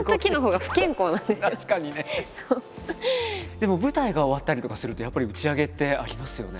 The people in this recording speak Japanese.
でも舞台が終わったりとかするとやっぱり打ち上げってありますよね？